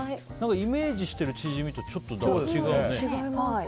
イメージしているチヂミとちょっと違うね。